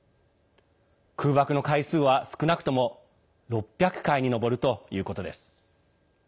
空爆の回数は、少なくとも６００回に上るということです。